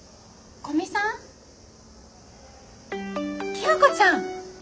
清子ちゃん！